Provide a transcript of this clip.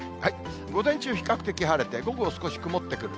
午前中、比較的晴れて、午後は少し曇ってくる。